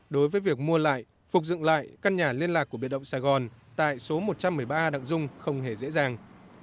đối với việc mua lại phục dựng lại căn nhà liên lạc của biệt động sài gòn tại số một trăm một mươi ba đặng dung không hề dễ dàng